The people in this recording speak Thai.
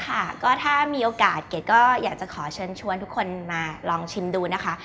ค่ะก็ถ้ามีโอกาสเกดก็อยากจะขอเชิญชวนทุกคนมาลองชิมดูนะคะ